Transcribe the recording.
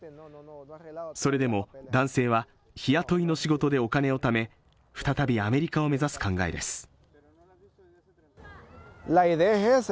それでも男性は日雇いの仕事でお金を貯め再びアメリカを目指す考えです